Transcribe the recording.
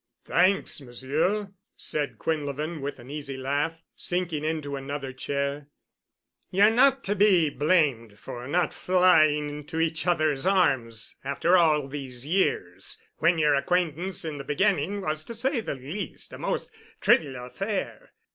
"Thanks, Monsieur," said Quinlevin with an easy laugh, sinking into another chair. "Ye're not to be blamed for not flying to each other's arms after all these years, when yer acquaintance in the beginning was to say the least a most trivial affair.